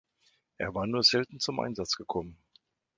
Er war nur selten zum Einsatz gekommen.